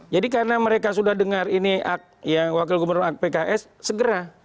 jadi karena mereka sudah dengar ini wakil gubernur pks segera